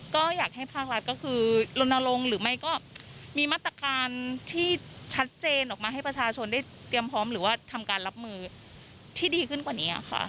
ก็อยากให้ภาครัฐก็คือลนลงหรือไม่ก็มีมาตรการที่ชัดเจนออกมาให้ประชาชนได้เตรียมพร้อมหรือว่าทำการรับมือที่ดีขึ้นกว่านี้ค่ะ